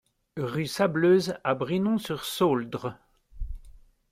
Rue Sableuse à Brinon-sur-Sauldre